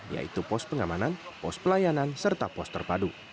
yaitu pos pengamanan pos pelayanan serta pos terpadu